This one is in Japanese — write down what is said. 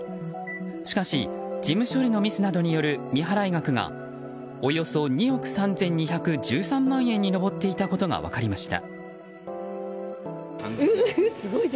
しかし事務処理のミスなどによる未払い額がおよそ２億３２１３万円に上っていたことが分かりました。